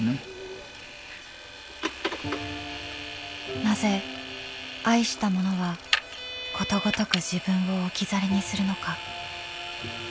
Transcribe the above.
まあなぜ愛したものはことごとく自分を置き去りにするのか。